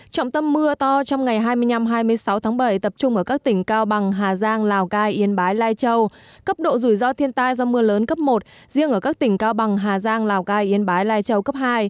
trọng tâm mưa to trong ngày hai mươi năm hai mươi sáu tháng bảy tập trung ở các tỉnh cao bằng hà giang lào cai yên bái lai châu cấp độ rủi ro thiên tai do mưa lớn cấp một riêng ở các tỉnh cao bằng hà giang lào cai yên bái lai châu cấp hai